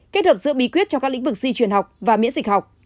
kết hợp giữa bí quyết trong các lĩnh vực di truyền học và miễn dịch học